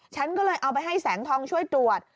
ฉันก็เลยเอาไปให้แสงทองช่วยตรวจ